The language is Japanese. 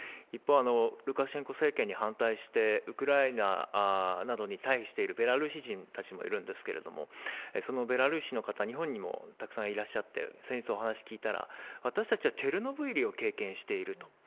一方、ルカシェンコ政権に反対して、ウクライナなどに退避しているベラルーシ人たちもいるんですけれども、そのベラルーシの方、日本にもたくさんいらっしゃって、先日、お話を聞いたら、私たちはチェルノブイリを経験していると。